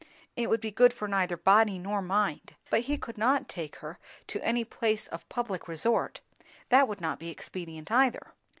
It would be good for neither body nor mind. But he could not take her to any place of public resort; that would not be expedient either.